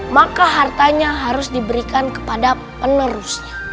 maka hartanya harus diberikan kepada penerusnya